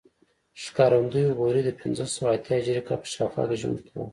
ښکارندوی غوري د پنځه سوه اتیا هجري کال په شاوخوا کې ژوند کاوه